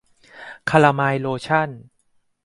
คาลาไมน์โลชั่น